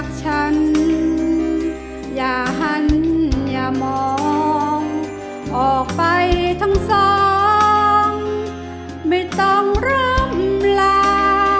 ฉันอย่าหันอย่ามองออกไปทั้งสองไม่ต้องร่ำลา